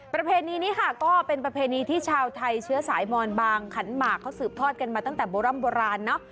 ประเพณีนี้ก็เป็นประเพณีที่ชาวไทยเชื้อสายมรบาลห์ขั้นหมากเขาสืบทอดเองมาตั้งแต่บรรยามบราณ